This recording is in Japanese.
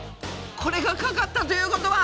これがかかったということは。